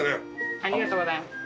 ありがとうございます。